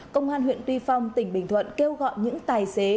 công an huyện tuy phong tỉnh bình thuận kêu gọi những tài xế